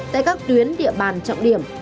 tại các tuyến địa bàn trọng điểm